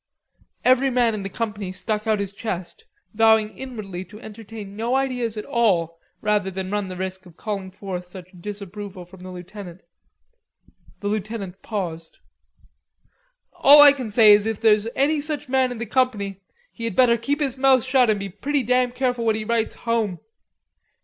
Every man in the company stuck out his chest, vowing inwardly to entertain no ideas at all rather than run the risk of calling forth such disapproval from the lieutenant. The lieutenant paused: "All I can say is if there is any such man in the company, he had better keep his mouth shut and be pretty damn careful what he writes home....